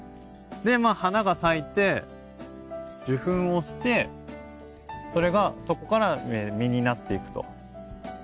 でまあ花が咲いて受粉をしてそれがそこから実になっていくと。